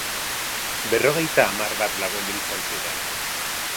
Berrogeita hamar bat lagun biltzen ziren.